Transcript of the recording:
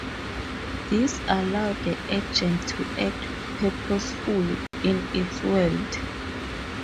These allow the agent to act purposefully in its world.